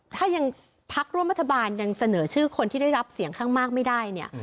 ถ้ายังพักร่วมรัฐบาลยังเสนอชื่อคนที่ได้รับเสียงข้างมากไม่ได้เนี่ย